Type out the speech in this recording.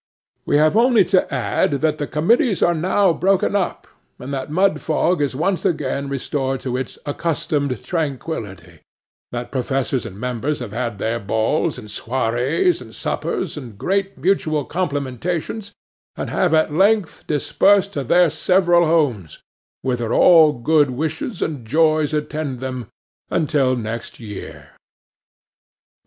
We have only to add, that the committees are now broken up, and that Mudfog is once again restored to its accustomed tranquillity,—that Professors and Members have had balls, and soirées, and suppers, and great mutual complimentations, and have at length dispersed to their several homes,—whither all good wishes and joys attend them, until next year!